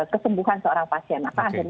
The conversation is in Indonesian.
kesembuhan seorang pasien